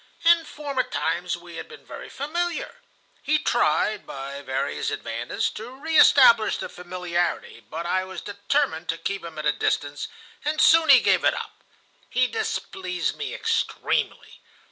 In former times we had been very familiar. He tried, by various advances, to re establish the familiarity, but I was determined to keep him at a distance, and soon he gave it up. He displeased me extremely.